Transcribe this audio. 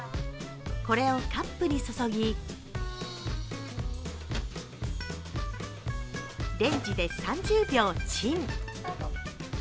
これをカップに注ぎレンジで３０秒チン。